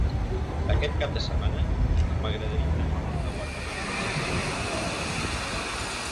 Aquest cap de setmana m'agradaria anar a Guardamar del Segura.